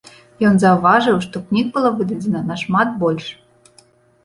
Ён заўважыў, што кніг было выдадзена нашмат больш.